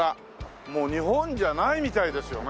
もう日本じゃないみたいですよね。